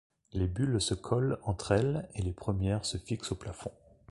Les bulles se collent entre elles et les premières se fixent au plafond.